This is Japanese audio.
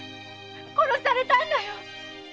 殺されたんだ！